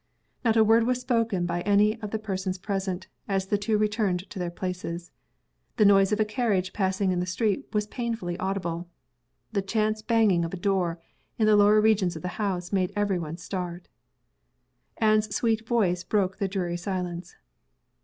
Not a word was spoken by any of the persons present, as the two returned to their places. The noise of a carriage passing in the street was painfully audible. The chance banging of a door in the lower regions of the house made every one start. Anne's sweet voice broke the dreary silence.